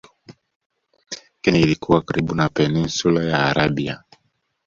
Kenya ilikuwa karibu na Peninsula ya Arabia